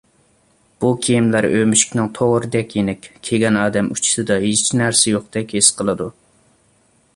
بۇ كىيىملەر ئۆمۈچۈكنىڭ تورىدەك يېنىك، كىيگەن ئادەم ئۇچىسىدا ھېچنەرسە يوقتەك ھېس قىلىدۇ.